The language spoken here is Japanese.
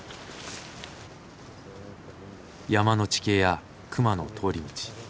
山の地形や熊の通り道。